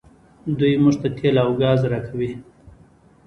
دوی موږ ته تیل او ګاز راکوي.